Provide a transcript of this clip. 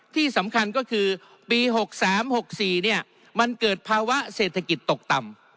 ที่สำคัญก็คือปี๖๓๖๔มันเกิดภาวะเศรษฐกิจตกต่ำ